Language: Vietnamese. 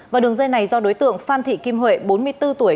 và đường dây này do đối tượng phan thị kim huệ bốn mươi bốn tuổi